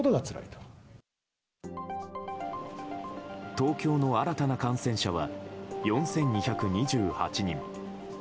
東京の新たな感染者は４２２８人。